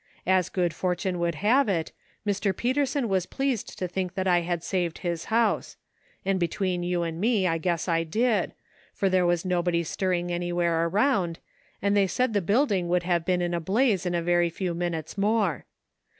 As good fortune would have it, Mr. Peter son was pleased to think that I saved his house ; and between you and me I guess I did, for there was nobody stirring any where around, and they said the building would have been in a blaze in a very few minutes more.